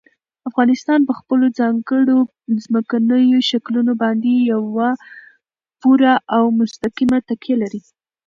افغانستان په خپلو ځانګړو ځمکنیو شکلونو باندې پوره او مستقیمه تکیه لري.